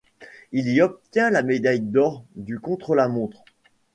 Il y obtient la médaille d'or du contre-la-montre.